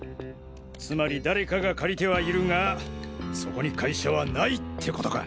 つまり誰かが借りてはいるがそこに会社はないってことか。